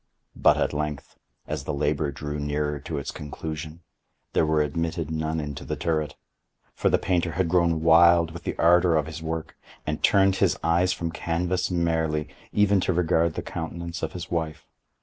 But at length, as the labor drew nearer to its conclusion, there were admitted none into the turret; for the painter had grown wild with the ardor of his work, and turned his eyes from canvas merely, even to regard the countenance of his wife.